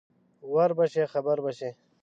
ور به شې خبر به شې